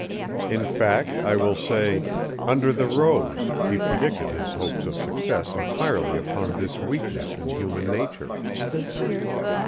In fact, I will say, "under the rose," he predicted his hopes of success entirely upon this weakness in human nature.